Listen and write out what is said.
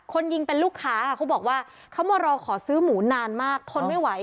คนยิงเป็นลูกค้าค่ะเขาบอกว่าเขามารอขอซื้อหมูนานมากทนไม่ไหว